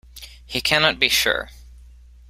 He cannot be sure.